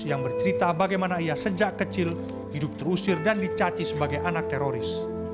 yang bercerita bagaimana ia sejak kecil hidup terusir dan dicaci sebagai anak teroris